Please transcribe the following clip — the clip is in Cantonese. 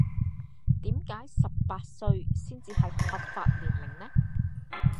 點解十八歲先至係合法年齡呢?